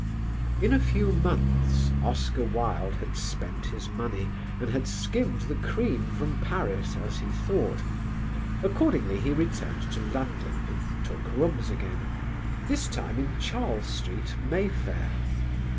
In a few months Oscar Wilde had spent his money and had skimmed the cream from Paris, as he thought; accordingly he returned to London and took rooms again, this time in Charles Street, Mayfair.